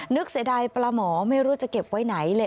เสียดายปลาหมอไม่รู้จะเก็บไว้ไหนเลย